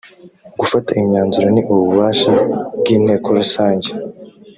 gufata imyanzuro ni ububasha bw’ inteko rusange